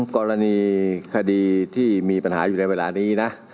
กรณีคดีที่มีปัญหาอยู่ในเวลานี้นะ